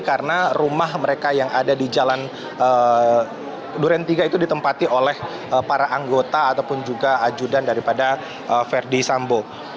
karena rumah mereka yang ada di jalan duren tiga itu ditempati oleh para anggota ataupun juga ajudan daripada verdi sambo